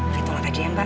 begitulah aja ya mbak